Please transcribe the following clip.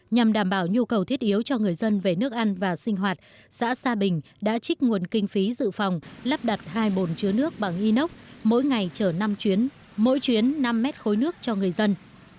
nhằm đảm bảo nhu cầu thiết yếu cho người dân về nước ăn và sinh hoạt xã sa bình đã trích nguồn kinh phí dự phòng lắp đặt hai bồn chứa nước bằng inox mỗi ngày chở năm chuyến mỗi chuyến năm mét khối nước cho người dân